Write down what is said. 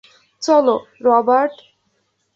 চলো, রবার্ট।